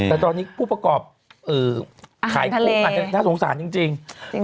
แต่ตอนนี้ผู้ประกอบขายคุกอาจจะน่าสงสารจริง